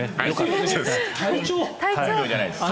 本名じゃないです。